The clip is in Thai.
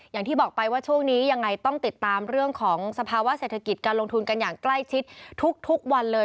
อย่างที่บอกไปว่าช่วงนี้ยังไงต้องติดตามเรื่องของสภาวะเศรษฐกิจการลงทุนกันอย่างใกล้ชิดทุกวันเลย